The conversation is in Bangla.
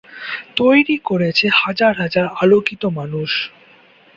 তৈরি করেছে হাজার হাজার আলোকিত মানুষ।